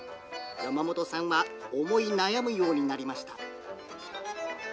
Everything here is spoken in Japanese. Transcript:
山本さんは、思い悩むようになりました。